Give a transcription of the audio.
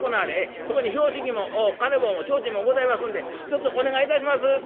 そこに拍子木も金棒も提灯もございますんでひとつお願いいたします」。